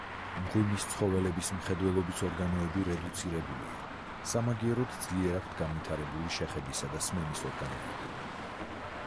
მღვიმის ცხოველების მხედველობის ორგანოები რედუცირებულია, სამაგიეროდ ძლიერ აქვთ განვითარებული შეხებისა და სმენის ორგანოები.